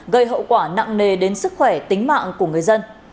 gây hậu quả nặng nề đến sức khỏe tính mạng của người dân